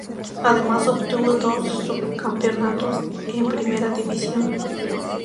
Además obtuvo dos subcampeonatos en Primera División.